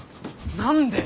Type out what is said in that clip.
何で？